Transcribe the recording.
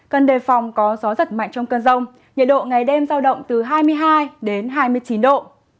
cần đề phòng có gió giật mạnh trong cơn rông nhiệt độ ngày đêm giao động từ hai mươi hai đến hai mươi chín độ